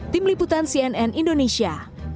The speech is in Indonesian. tim liputan cnn indonesia